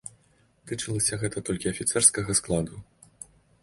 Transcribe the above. Тычылася гэта толькі афіцэрскага складу.